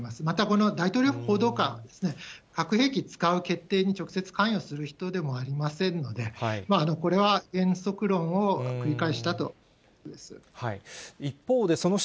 また、この大統領府報道官、核兵器使う決定に直接関与する人でもありませんので、これは原則論を繰り返したということです。